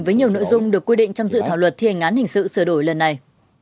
với nhiều nội dung được quy định trong dự thảo luật thi hành án hình sự sửa đổi lần này